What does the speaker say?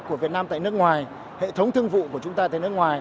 của việt nam tại nước ngoài hệ thống thương vụ của chúng ta tại nước ngoài